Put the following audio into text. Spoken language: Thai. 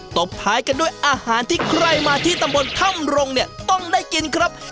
บท้ายกันด้วยอาหารที่ใครมาที่ตำบลถ้ำรงเนี่ยต้องได้กินครับ